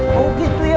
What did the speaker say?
mau gitu ya